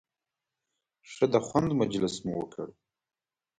ښه د خوند مجلس مو وکړ.